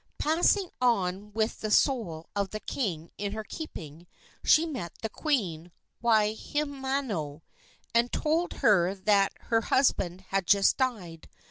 Passing on with the soul of the king in her keeping, she met the queen, Waihimano, and told her that her husband had just died.